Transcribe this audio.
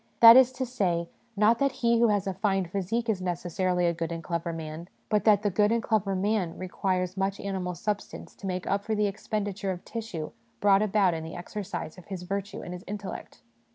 That is to say, not that he who has a fine physique is necessarily a good and clever man ; but that the good and clever man requires much animal substance to make up for the expenditure of tissue brought about in the exercise of his virtue and his intellect.